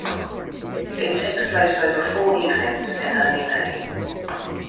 It takes place over four evenings, in early May.